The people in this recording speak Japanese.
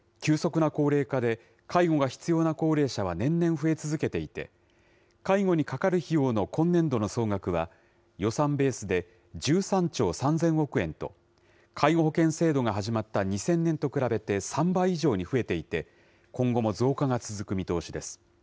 急速な高齢化で介護が必要な高齢者は年々増え続けていて、介護にかかる費用の今年度の総額は、予算ベースで１３兆３０００億円と、介護保険制度が始まった２０００年と比べて３倍以上に増えていて、今後も増加が続く見通しです。